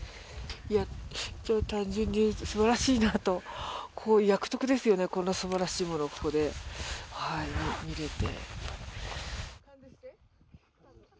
単純にすばらしいなと、役得ですよね、こんな素晴らしいものを、ここで見れて。